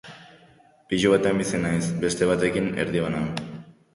Pisu batean bizi naiz, beste batekin erdibana.